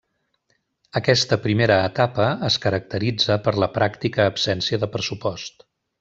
Aquesta primera etapa es caracteritza per la pràctica absència de pressupost.